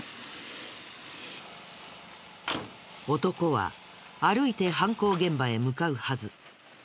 男は歩いて犯行現場へ向かうはず。